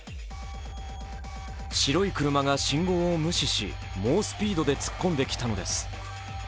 白い車が信号を無視し、猛スピードで突っ込んできたのです。